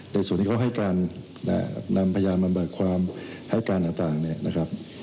ในส่วนนี้เขาให้การนำอาวญาณมาบัดความให้การต่าง